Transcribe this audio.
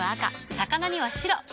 魚には白。